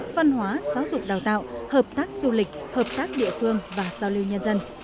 văn hóa xáo dục đào tạo hợp tác du lịch hợp tác địa phương và giao lưu nhân dân